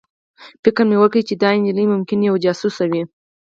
فکر مې وکړ چې دا نجلۍ ممکنه یوه جاسوسه وي